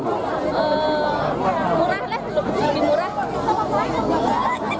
murah lah lebih murah